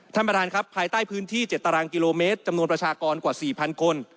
ท่านประธานครับภายใต้พื้นที่๗ตารางกิโลเมตรจำนวนประชากรกว่า๔๐๐คน